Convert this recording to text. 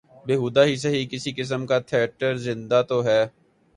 بیہودہ ہی سہی کسی قسم کا تھیٹر زندہ تو ہے۔